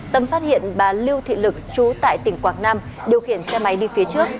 tâm phát hiện bà lưu thị lực chú tại tỉnh quảng nam điều khiển xe máy đi phía trước